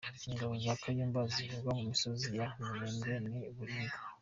Ingabo za Kayumba zivugwa mu misozi ya Minembwe ni baringa